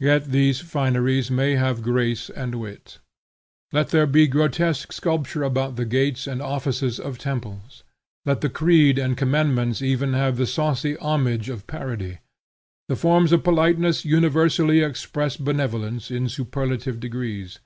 Yet these fineries may have grace and wit. Let there be grotesque sculpture about the gates and offices of temples. Let the creed and commandments even have the saucy homage of parody. The forms of politeness universally express benevolence in superlative degrees.